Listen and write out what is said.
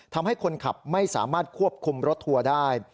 ทำให้คนขับไม่สามารถควบคุมรถทัวร์ได้